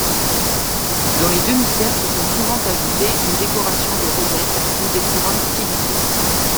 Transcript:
Dans les demi-cercles sont souvent ajoutées un décoration de rosettes ou des couronnes stylisées.